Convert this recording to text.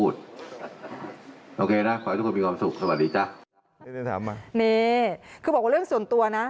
สวัสดีจ๊ะ